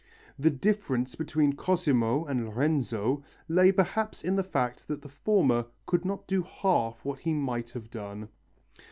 The difference between Cosimo and Lorenzo lay perhaps in the fact that the former could not do half what he might have done.